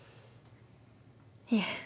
いえ。